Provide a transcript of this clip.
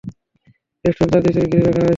Restaurant চারদিক থেকে ঘিরে রাখা হয়েছে।